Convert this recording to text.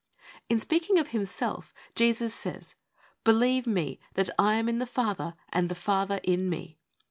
In speaking of Himself, Jesus says, ' Believe Me that I am in the Father, and the Father in Me' (John xiv.